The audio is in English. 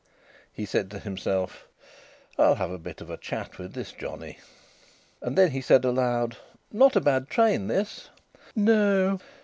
He said to himself: "I'll have a bit of a chat with this johnny." And then he said aloud: "Not a bad train this!" "No!"